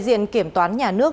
đoàn công tác kiểm toán nhà nước